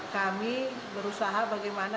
kami berusaha bagaimana